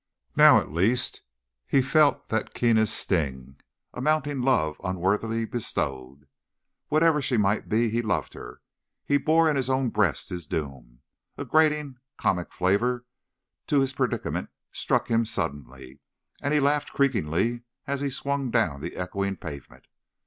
Now, at least, he felt that keenest sting—a mounting love unworthily bestowed. Whatever she might be, he loved her; he bore in his own breast his doom. A grating, comic flavour to his predicament struck him suddenly, and he laughed creakingly as he swung down the echoing pavement.